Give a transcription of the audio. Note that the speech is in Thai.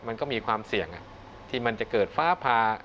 มันก็มีความเสี่ยงที่มันจะเกิดฟ้าผ่า